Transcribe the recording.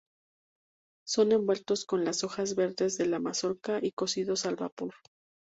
Son envueltos con las hojas verdes de la mazorca y cocidos al vapor.